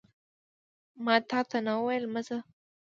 ماتاته نه ویل مه ځه